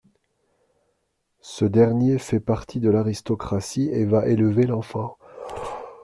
Ce dernier fait partie de l'aristocratie et va élever l'enfant.